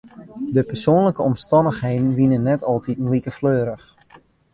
De persoanlike omstannichheden wiene net altiten like fleurich.